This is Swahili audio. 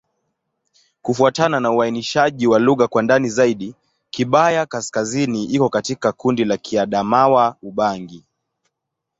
Kufuatana na uainishaji wa lugha kwa ndani zaidi, Kigbaya-Kaskazini iko katika kundi la Kiadamawa-Ubangi.